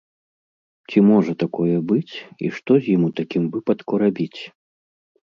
Ці можа такое быць і што з ім у такім выпадку рабіць?